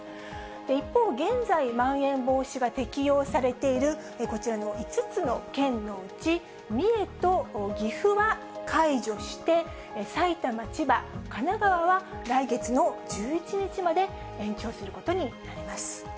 一方、現在、まん延防止が適用されている、こちらの５つの県のうち、三重と岐阜は解除して、埼玉、千葉、神奈川は来月の１１日まで延長することになります。